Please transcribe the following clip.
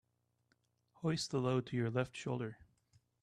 Hoist the load to your left shoulder.